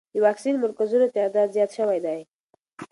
د واکسین مرکزونو تعداد زیات شوی دی.